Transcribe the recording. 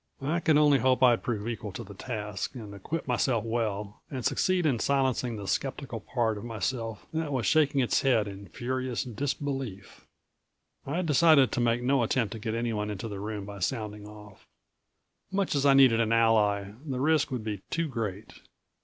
I could only hope I'd prove equal to the task and acquit myself well and succeed in silencing the skeptical part of myself that was shaking its head in furious disbelief. I'd decided to make no attempt to get anyone into the room by sounding off. Much as I needed an ally, the risk would be too great.